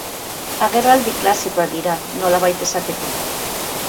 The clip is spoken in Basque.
Agerraldi klasikoak dira, nolabait esateko.